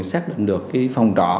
xác định được phòng trọ